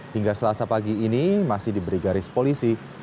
hingga selasa pagi ini masih diberi garis polisi